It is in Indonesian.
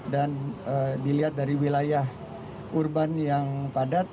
dan dilihat dari wilayah urban yang padat